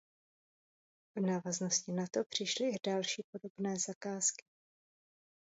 V návaznosti na to přišly i další podobné zakázky.